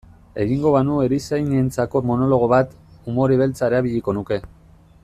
Egingo banu erizainentzako monologo bat, umore beltza erabiliko nuke.